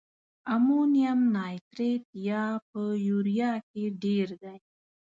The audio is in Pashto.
په امونیم نایتریت یا په یوریا کې ډیر دی؟